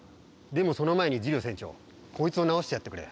でもその前にジュリオ船長こいつを治してやってくれ。